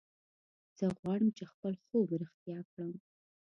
زه غواړم چې خپل خوب رښتیا کړم